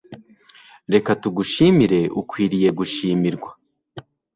reka tugushimire ukwiye gushimirwa